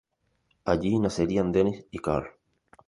Allí nacerían Dennis y Carl.